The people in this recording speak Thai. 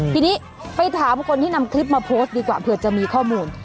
ทีนี้ไปถามคนที่นำคลิปมาโพสต์ดีกว่าเผื่อจะมีข้อมูล